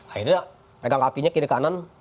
akhirnya pegang kakinya kiri kanan